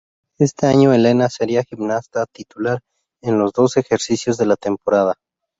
Este año Elena sería gimnasta titular en los dos ejercicios de la temporada.